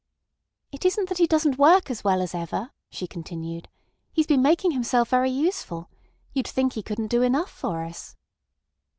"It isn't that he doesn't work as well as ever," she continued. "He's been making himself very useful. You'd think he couldn't do enough for us."